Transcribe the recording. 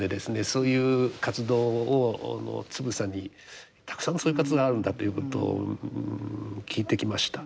そういう活動をつぶさにたくさんのそういう活動があるんだということを聞いてきました。